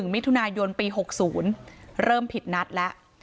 มิถุนายนปี๖๐เริ่มผิดนัดแล้ว